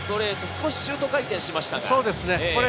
少しシュート回転しました。